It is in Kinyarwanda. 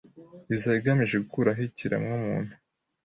iza igamije gukuraho ikiremwamuntu